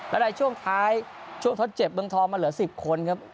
และในช่วงท้ายช่วงทดเจ็บเมืองทองมาเหลือ๑๐คนครับ